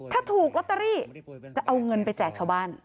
ถ้าถูกลอตเตอรี่จะเอาเงินไปแจกชาวบ้าน